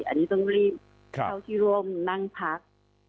อันนี้ต้องรีบเข้าที่ร่วมนั่งพัก